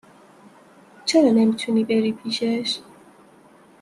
چرا نمیتونی بری پیشش؟